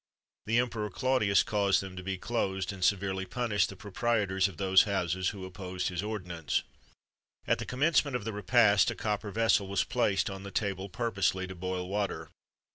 The Emperor Claudius caused them to be closed, and severely punished the proprietors of those houses who opposed his ordinance.[XXV 35] At the commencement of the repast, a copper vessel was placed on the table purposely to boil water.